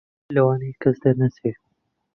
لەوانەیە کەس دەرنەچێ